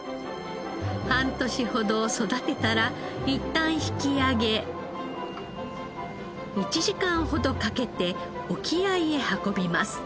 半年ほど育てたらいったん引き上げ１時間ほどかけて沖合へ運びます。